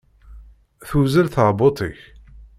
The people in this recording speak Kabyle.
Tuzzel tɛebbuḍt-ik?